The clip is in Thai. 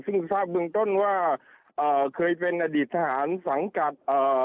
ซึ่งทราบเบื้องต้นว่าเอ่อเคยเป็นอดีตทหารสังกัดเอ่อ